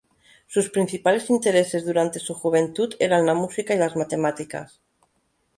Sus principales intereses durante su juventud eran la música y las matemáticas.